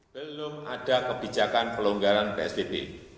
belum ada kebijakan pelonggaran psbb